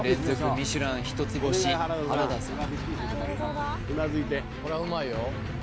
ミシュラン一つ星原田さん